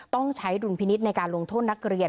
ต้องใช้ดุลพินิษฐ์ในการลงโทษนักเรียน